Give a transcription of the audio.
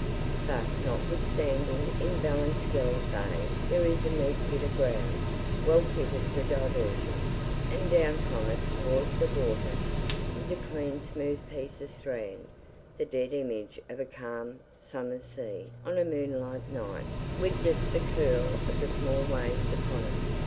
But, notwithstanding, in Ballinskellig Bay there is a neat bit of ground, well fitted for diversion, and down from it, towards the water, is a clean smooth piece of strand, the dead image of a calm summer's sea on a moonlight night, with just the curl of the small waves upon it.